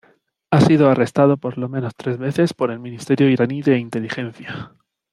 Ha sido arrestado por lo menos tres veces por el ministerio iraní de Inteligencia.